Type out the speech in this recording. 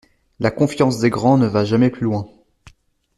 La confiance des grands ne va jamais plus loin.